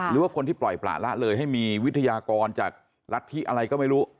หรือว่าผลปล่าละเลยให้มีวิทยากรจากรัฐพิกันอะไรก็ไม่รู้